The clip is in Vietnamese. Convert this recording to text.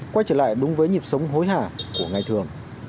quay trở lại đúng với nhịp sống hối hả của ngày thường